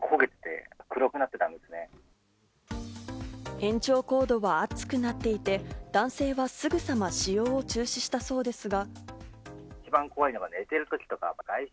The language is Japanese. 延長コードは熱くなっていて、男性は、すぐさま使用を中止したそうですが。